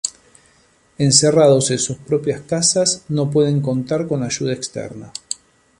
Encerrados en sus propias casas, no pueden contar con ayuda externa.